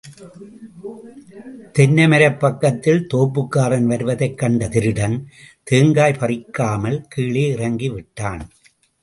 தென்னைமரப் பக்கத்தில் தோப்புக்காரன் வருவதைக் கண்ட திருடன் தேங்காய் பறிக்காமல் கீழே இறங்கி விட்டான்.